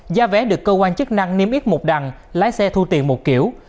giá vé được cơ quan chức năng niêm yết một đằng lái xe thu tiền một kiểu